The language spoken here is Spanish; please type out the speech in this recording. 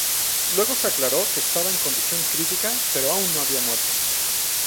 Luego se aclaró que estaba en condición crítica, pero aún no había muerto.